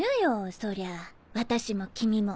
そりゃ私も君も。